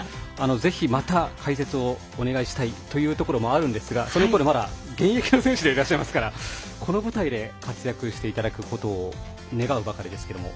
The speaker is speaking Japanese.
ぜひ、また解説をお願いしたいというところもあるんですがまだ現役の選手でございますからこの舞台で活躍していただくことを願うばかりですけれども。